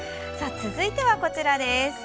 続いては、こちら。